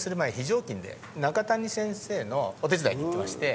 常勤で中谷先生のお手伝いに行ってまして。